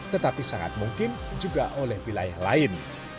tetapi sangat mungkin juga oleh wilayah lain